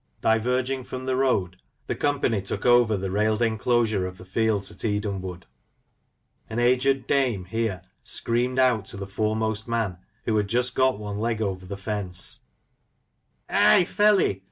Diverging from the road, the company took over the railed enclosure of the fields at Edenwood. An aged dame here screamed out to the foremost man, who had just got one leg over the fence : g6 Lancashire Characters and Places. " Hi, felley